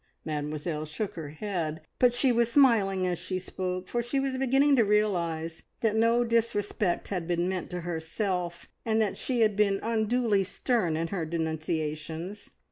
Mademoiselle shook her head, but she was smiling as she spoke, for she was beginning to realise that no disrespect had been meant to herself, and that she had been unduly stern in her denunciations.